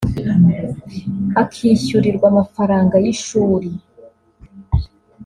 akishyurirwa amafaranga y’ishuri